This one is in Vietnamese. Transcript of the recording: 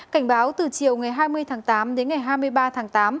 cảnh báo từ chiều ngày hai mươi tháng tám đến ngày hai mươi ba tháng tám